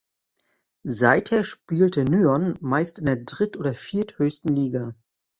Seither spielte Nyon meist in der dritt- oder vierthöchsten Liga.